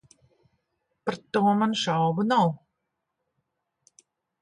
Par to man šaubu nav.